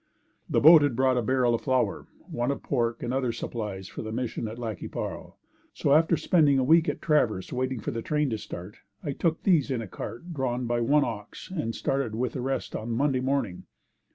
The boat had brought a barrel of flour, one of pork and other supplies for the Mission at Lac qui Parle, so after spending a week at Traverse waiting for the train to start, I took these in a cart drawn by one ox and started with the rest on Monday morning.